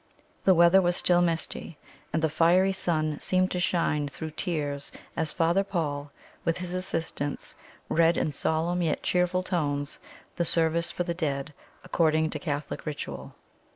The weather was still misty, and the fiery sun seemed to shine through tears as Father Paul, with his assistants, read in solemn yet cheerful tones the service for the dead according to the Catholic ritual.